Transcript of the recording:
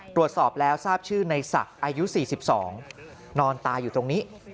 ตรวจสอบแล้วทราบชื่อในศักดิ์อายุ๔๒นอนตายอยู่ตรงนี้